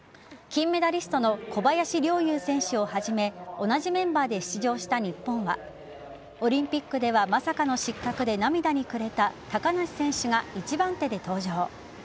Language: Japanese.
金メダリストの小林陵侑選手をはじめ同じメンバーで出場した日本はオリンピックではまさかの失格で涙に暮れた高梨選手が１番手で登場。